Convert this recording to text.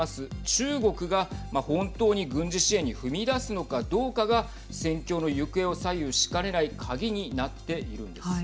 中国が本当に軍事支援に踏み出すのかどうかが戦況の行方を左右しかねない鍵になっているんです。